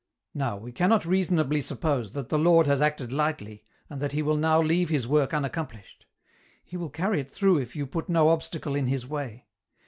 " Now we cannot reasonably suppose that the Lord has acted lightly, and that He will now leave His work unaccom plished. He will carry it through if you put no obstacle in His way.